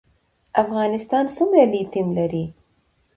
افغانستان څومره لیتیم لري؟